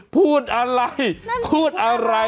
พูดอะไรพูดอะไร